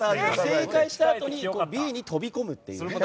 正解したあとにＢに飛び込むっていうね。